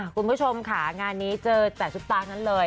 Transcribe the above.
คุณผู้ชมค่ะงานนี้เจอแต่ซุปตาคนั้นเลย